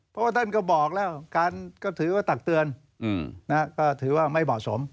เพราะว่าท่านก็บอกแล้วการก็ถือว่าตักเตือนก็ถือว่าไม่เหมาะสม